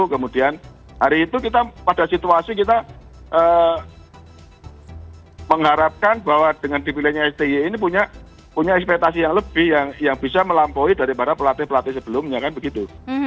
kemudian hari itu kita pada situasi kita mengharapkan bahwa dengan dipilihnya sti ini punya ekspektasi yang lebih yang bisa melampaui daripada pelatih pelatih sebelumnya kan begitu